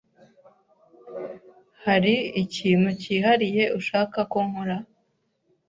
Hari ikintu cyihariye ushaka ko nkora?